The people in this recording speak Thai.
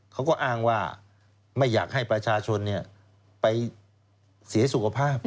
เขาก็อ้างว่าไม่อยากให้ประชาชนไปเสียสุขภาพ